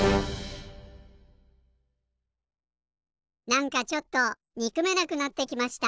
なんかちょっとにくめなくなってきました。